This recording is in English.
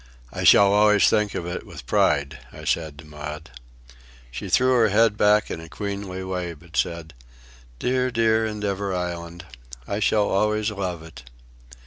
"I shall always think of it with pride," I said to Maud. She threw her head back in a queenly way but said, "Dear, dear Endeavour Island! I shall always love it."